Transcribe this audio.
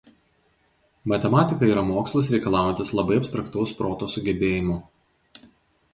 Matematika yra mokslas reikalaujantis labai abstraktaus proto sugebėjimų.